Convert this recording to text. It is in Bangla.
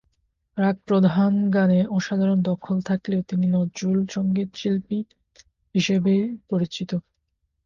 রাগ প্রধান গানে অসাধারণ দখল থাকলেও তিনি নজরুল-সঙ্গীতশিল্পী হিসেবেই বেশি পরিচিত।